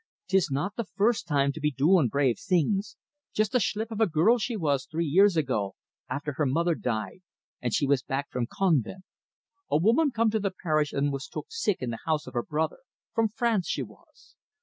'Tis not the furst time to be doin' brave things. Just a shlip of a girl she was, three years ago, afther her mother died, an' she was back from convint. A woman come to the parish an' was took sick in the house of her brother from France she was.